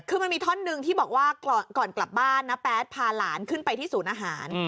คือมันมีท่อนหนึ่งที่บอกว่าก่อนกลับบ้านนะแป๊ดพาหลานขึ้นไปที่ศูนย์อาหาร